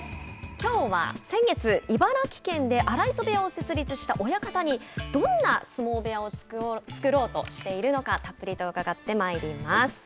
きょうは、先月、茨城県で荒磯部屋を設立した親方にどんな相撲部屋を作ろうとしているのかたっぷりとうかがってまいります。